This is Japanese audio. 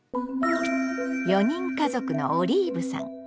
４人家族のオリーブさん。